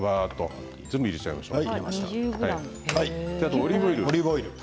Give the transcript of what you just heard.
全部入れちゃいましょう。